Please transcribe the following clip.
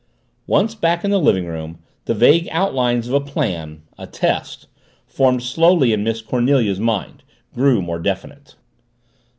Once back in the living room the vague outlines of a plan a test formed slowly in Miss Cornelia's mind, grew more definite.